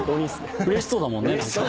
うれしそうだもんね。